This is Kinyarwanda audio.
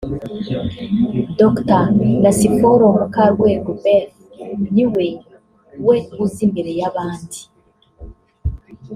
Dr Nasiforo Mukarwego Beth niwe we uza imbere y’abandi